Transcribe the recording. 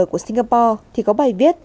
của singapore thì có bài viết